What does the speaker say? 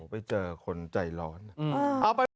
ไปเจอคนใจร้อน